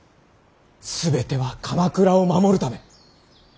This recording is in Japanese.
全ては鎌倉を守るため。